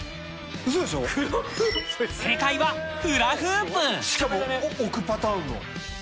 正解はしかも置くパターンの。